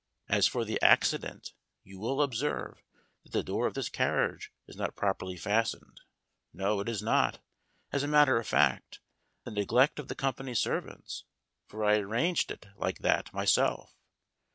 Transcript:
As for the accident, you will observe that the door of this carriage is not properly fastened. No ; it is not, as a matter of fact, the neglect of the company's servants, for I arranged it like that myself.